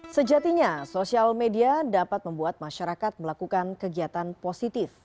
sejatinya sosial media dapat membuat masyarakat melakukan kegiatan positif